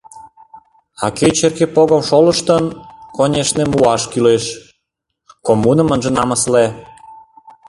А кӧ черке погым шолыштын, конешне, муаш кӱлеш, коммуным ынже намысле.